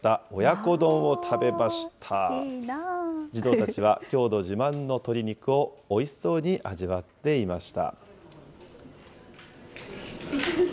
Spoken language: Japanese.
児童たちは郷土自慢の鶏肉をおいしそうに味わっていました。